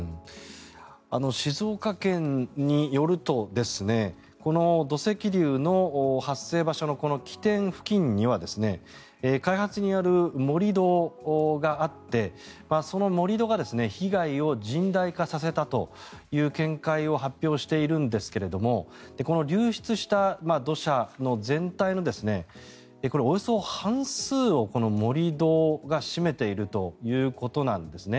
静岡県によるとこの土石流の発生場所の起点付近には開発による盛り土があってその盛り土が被害を甚大化させたという見解を発表しているんですがこの流出した土砂の全体のおよそ半数を盛り土が占めているということなんですね。